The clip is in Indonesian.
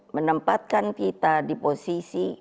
menempatkan kita di posisi